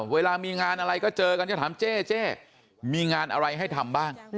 เวลามีงานอะไรก็เจอกันจะถามเจ๊มีงานอะไรให้ทำบ้าง